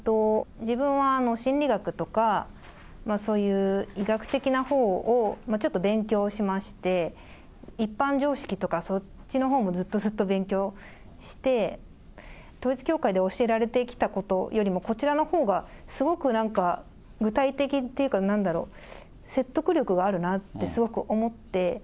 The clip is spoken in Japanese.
自分は心理学とか、そういう医学的なほうをちょっと勉強しまして、一般常識とかそっちのほうもずっとずっと勉強して、統一教会で教えられてきたことよりも、こちらのほうがすごくなんか具体的っていうか、なんだろう、説得力があるなって、すごく思って。